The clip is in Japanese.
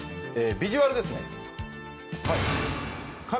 ビジュアルですね。